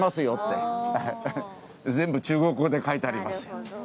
よって全部中国語で書いてあります。